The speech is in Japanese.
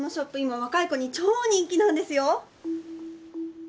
今若い子に超人気なんですよ。